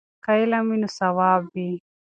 که علم وي نو ثواب وي.